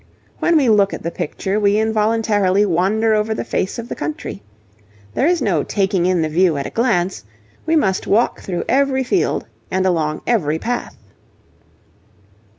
When we look at the picture we involuntarily wander over the face of the country. There is no taking in the view at a glance; we must walk through every field and along every path.